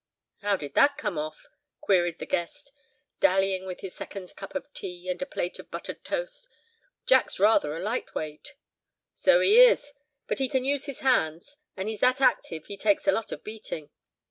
"How did that come off?" queried the guest, dallying with his second cup of tea, and a plate of buttered toast. "Jack's rather a light weight." "So he is—but he can use his hands, and he's that active he takes a lot of beating.